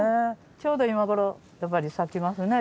ちょうど今頃やっぱり咲きますね。